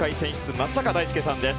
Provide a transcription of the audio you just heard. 松坂大輔さんです。